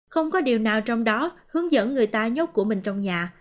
không có điều nào trong đó hướng dẫn người ta nhốt của mình trong nhà